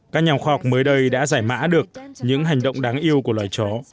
các nhà khoa học mới đây đã giải mã được những hành động đáng yêu của loài chó